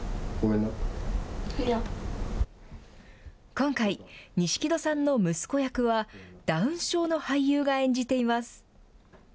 今回、錦戸さんの息子役は、ダウン症の俳優が演じています。